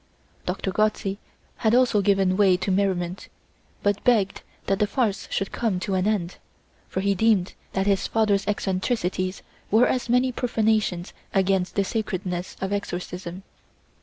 Doctor Gozzi had also given way to merriment; but begged that the farce should come to an end, for he deemed that his father's eccentricities were as many profanations against the sacredness of exorcism.